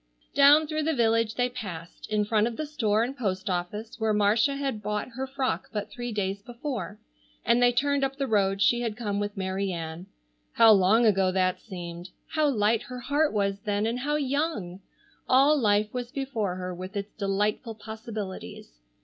Down through the village they passed, in front of the store and post office where Marcia had bought her frock but three days before, and they turned up the road she had come with Mary Ann. How long ago that seemed! How light her heart was then, and how young! All life was before her with its delightful possibilities.